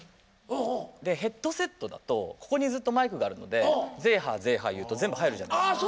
でヘッドセットだとここにずっとマイクがあるのでゼーハーゼーハー言うと全部入るじゃないですか。